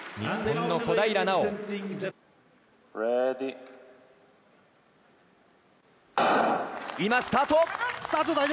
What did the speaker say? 今、スタート。